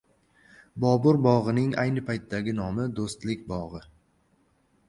Bobur bog'ining ayni paytdagi nomi "Do'stlik bog'i"